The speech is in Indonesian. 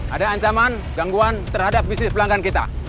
ada ancaman gangguan terhadap bisnis pelanggan kita